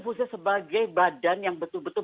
khususnya sebagai badan yang betul betul